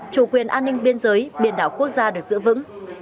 chủ quyền an ninh biên giới biển đảo quốc gia được giữ vững